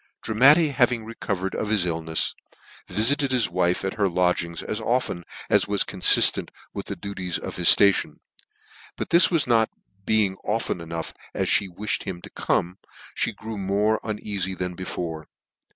Dramatti having recovered of his illnefs, viftt ted his wife at her lodgings as often as. was corw fiftent with the duties of his Ration ; but this not being fo often as me wiihed him to come, fhe grew more uneafy than before.